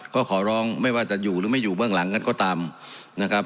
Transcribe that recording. ก็ขอร้องไม่ว่าจะอยู่หรือไม่อยู่เบื้องหลังกันก็ตามนะครับ